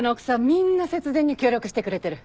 みんな節電に協力してくれてる。